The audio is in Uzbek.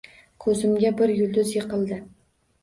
Koʻzimga bir yulduz yiqildi